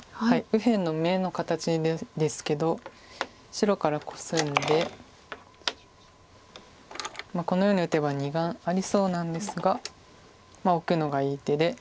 右辺の眼の形ですけど白からコスんでこのように打てば２眼ありそうなんですがオクのがいい手で。